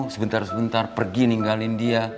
sebentar sebentar pergi ninggalin dia